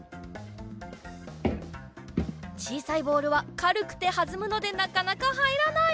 ちいさいボールはかるくてはずむのでなかなかはいらない！